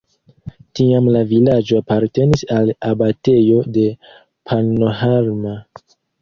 Tiam la vilaĝo apartenis al abatejo de Pannonhalma.